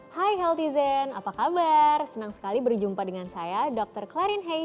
hai healthyzen apa kabar senang sekali berjumpa dengan saya dr klarin heis